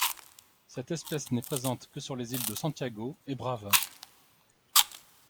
Cette espèce n'est présente que sur les îles de Santiago et Brava.